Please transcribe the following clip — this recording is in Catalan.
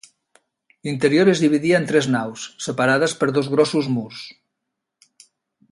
L'interior es dividia en tres naus, separades per dos grossos murs.